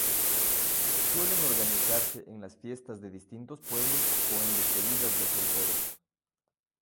Suelen organizarse en las fiestas de distintos pueblos o en despedidas de solteros.